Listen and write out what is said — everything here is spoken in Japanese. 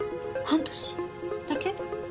半年だけ？